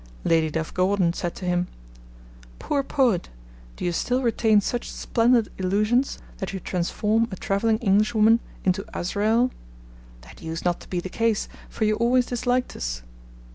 Lady Duff Gordon said to him: 'Poor Poet, do you still retain such splendid illusions, that you transform a travelling Englishwoman into Azrael? That used not to be the case, for you always disliked us.'